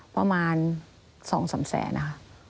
ประมาณ๒๓แสนค่ะ